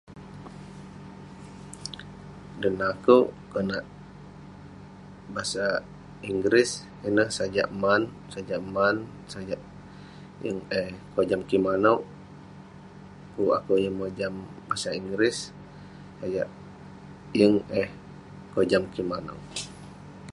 Dan neh akeuk, konak basa inggeris ineh sajak man, sajak man, sajak yeng eh kojam kik maneuk, kuk akeuk yeng mojam basak inggeris. Sajak yeng eh kojam kik maneuk.